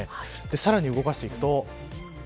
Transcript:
さらに動かしていくと。